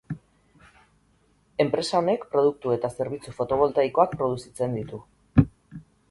Enpresa honek produktu eta zerbitzu foto-boltaikoak produzitzen ditu.